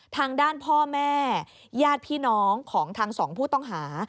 ทางด้านพ่อแม่ญาติพี่น้องของทั้งสองผู้ต้องหา